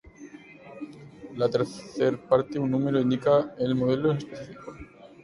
La tercer parte, un número, indica el modelo en específico.